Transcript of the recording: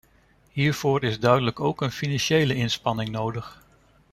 Hiervoor is duidelijk ook een financiële inspanning nodig.